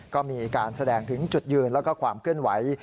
ก็มีการแสดงถึงจุดยืนแล้วก็ความเคลื่อนไหว